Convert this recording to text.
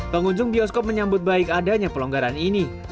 pengunjung bioskop menyambut baik adanya pelonggaran ini